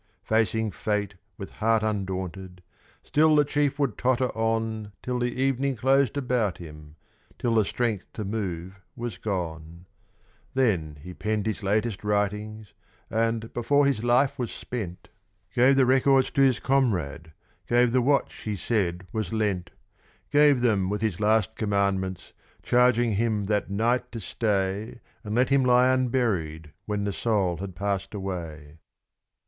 Facing Fate with heart undaunted, still the chief would totter on Till the evening closed about him till the strength to move was gone; Then he penned his latest writings, and, before his life was spent, Gave the records to his comrade gave the watch he said was lent Gave them with his last commandments, charging him that night to stay And to let him lie unburied when the soul had passed away.